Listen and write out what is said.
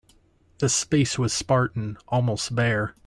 The space was spartan, almost bare.